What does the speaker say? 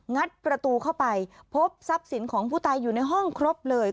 งัดประตูเข้าไปพบทรัพย์สินของผู้ตายอยู่ในห้องครบเลย